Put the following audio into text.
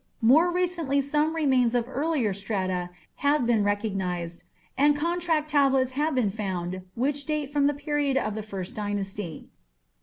More recently some remains of earlier strata have been recognized, and contract tablets have been found which date from the period of the First Dynasty.